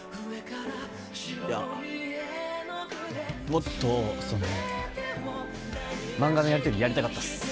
いや、もっとその、漫画のやり取りやりたかったです。